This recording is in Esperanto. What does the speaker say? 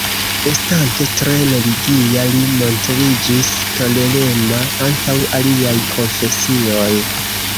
Estante tre religia li montriĝis tolerema antaŭ aliaj konfesioj.